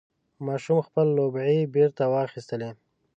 ماشوم خپل لوبعې بېرته واخیستلې.